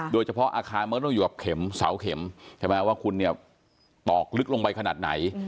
โดยเฉพาะอาคารมันต้องอยู่กับเข็มเสาเข็มใช่ไหมว่าคุณเนี่ยตอกลึกลงไปขนาดไหน